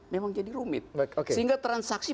memang jadi rumit sehingga transaksi